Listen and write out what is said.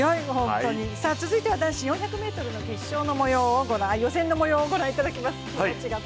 続いては男子４００ｍの予選のもようを御覧いただきます。